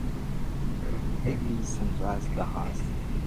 Église Saint-Vaast-d'Arras.